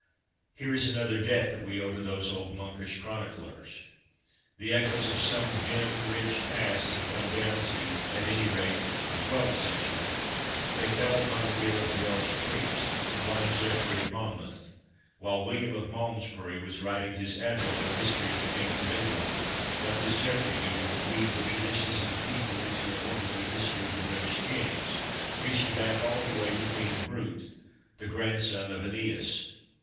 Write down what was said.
Here is another debt that we owe to those old monkish chroniclers : the echoes of some dim, rich past had come down to, at any rate, the twelfth century : they fell upon the ear of a Welsh priest, one Geoffrey of Monmouth ; and while William of Malmesbury was writing his admirable History of the Kings of Eng land, what does Geoffrey do but weave the traditions LESSONS AS INSTRUMENTS OF EDUCATION 285 of the people into an orderly History of the British Kings, reaching back all the way to King Brut, the grandson of ^Eneas.